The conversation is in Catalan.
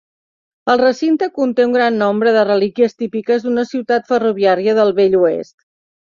El recinte conté un gran nombre de relíquies típiques d'una ciutat ferroviària del vell oest.